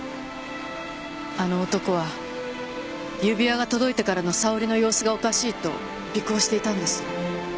あの男は指輪が届いてからの沙織の様子がおかしいと尾行していたんです。